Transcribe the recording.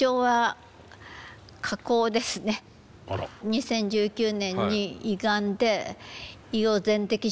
２０１９年に胃がんで胃を全摘しました。